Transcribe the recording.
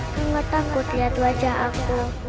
kau gak takut lihat wajah aku